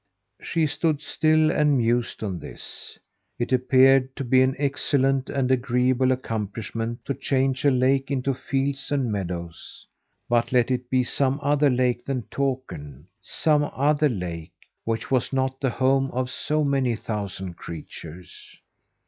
She stood still and mused on this. It appeared to be an excellent and agreeable accomplishment to change a lake into fields and meadows, but let it be some other lake than Takern; some other lake, which was not the home of so many thousand creatures.